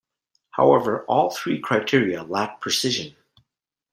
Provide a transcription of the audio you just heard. However, all of three criteria lack precision.